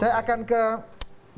terima kasih bang daniel sudah datang